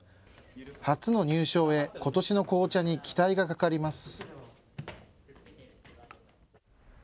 初の入賞へことしの紅茶に期待がかかります。